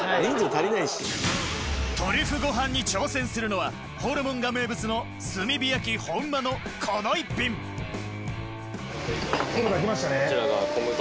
トリュフご飯に挑戦するのはホルモンが名物の炭火焼ホンマのこの一品来ましたね。